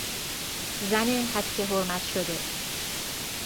زن هتک حرمت شده